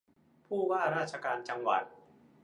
ผู้ว่าราชการจังหวัด